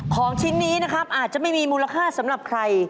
ของชิ้นนี้นะครับอาจจะไม่มีมูลค่าสำหรับใคร